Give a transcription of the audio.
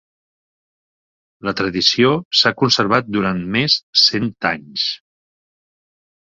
La tradició s'ha conservat durant més cent anys.